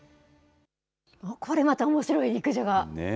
これまたおもしろい肉じゃが。